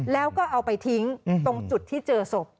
แล้วก็เอาไปทิ้งตรงจุดที่เจอศพ